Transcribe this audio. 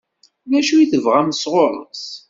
D acu i tebɣamt sɣur-s?